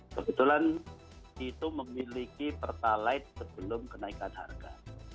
kebetulan itu memiliki pertalite sebelum kenaikan harga